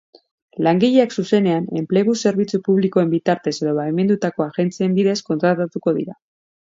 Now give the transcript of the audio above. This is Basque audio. Langileak zuzenean, enplegu zerbitzu publikoen bitartez edo baimendutako agentzien bidez kontratatuko dira.